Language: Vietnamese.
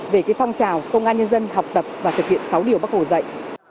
về cái phong trào công an nhân dân học tập và thực hiện sáu điều bắc hồ dạy